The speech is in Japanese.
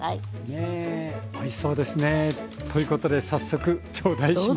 ねえおいしそうですね。ということで早速頂戴します。